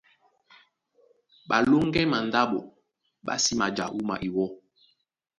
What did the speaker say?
Ɓalóŋgɛ́ mandáɓo ɓá sí maja wúma iwɔ́,